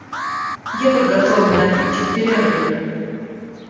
Я подготовлю напитки к перерыву.